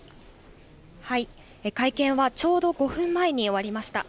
会見はちょうど５分前に終わりました。